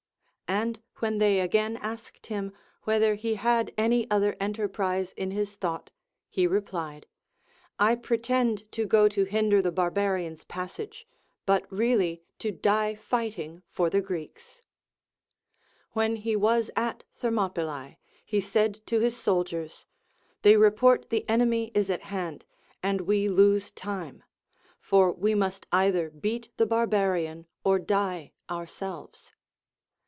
And Avhen they again asked him Avhether he had any other en terprise in his thought, he replied, I pretend to go to hinder the barbarians' passage, but really to die fighting for the Greeks. When he was at Thermopylae, he said to his soldiers : They report the enemy is at hand, and we lose VOL. I. 27 418 LACONIC APOPHTHEGMS. time ; for we must either beat the barbarian or die our selves.